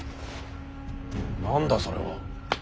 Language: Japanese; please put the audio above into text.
何だそれは。